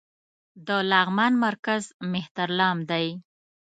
د لغمان مرکز مهترلام دى